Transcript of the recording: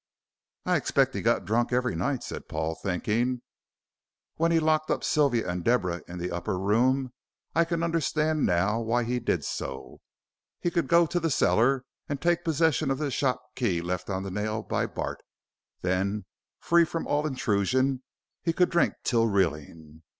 "I expect he got drunk every night," said Paul, thinking. "When he locked up Sylvia and Deborah in the upper room I can understand now why he did so he could go to the cellar and take possession of the shop key left on the nail by Bart. Then, free from all intrusion, he could drink till reeling.